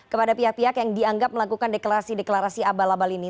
kepada pihak pihak yang dianggap melakukan deklarasi deklarasi abal abal ini